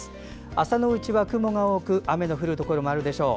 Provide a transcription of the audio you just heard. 朝のうちは雲が多く雨の降るところもあるでしょう。